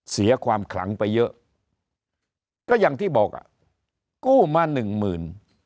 เสียความขลังไปเยอะก็อย่างที่บอกอ่ะกู้มาหนึ่งหมื่น